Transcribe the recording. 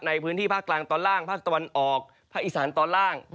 ในพื้นที่ภาคกลางตอนล่างภาคตะวันออกภาคอีสานตอนล่าง